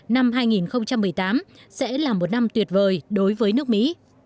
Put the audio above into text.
năm hai nghìn một mươi tám sẽ là một năm tuyệt vời đối với nước mỹ